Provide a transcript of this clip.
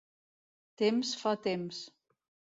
Temps fa temps.